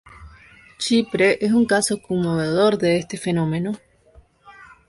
Chipre es un caso conmovedor de este fenómeno.